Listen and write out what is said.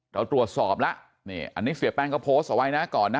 เราตรวจสอบแล้วนี่อันนี้เสียแป้งเขาโพสต์เอาไว้นะก่อนนะ